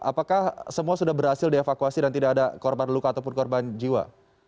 apakah semua sudah berhasil dievakuasi dan tidak ada korban luka ataupun korban jiwa